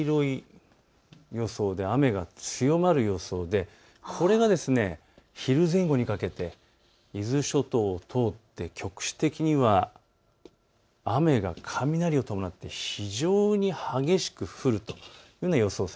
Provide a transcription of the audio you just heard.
雨が強まる予想でこれが昼前後にかけて伊豆諸島を通って局地的には雨が雷を伴って非常に激しく降るという予想です。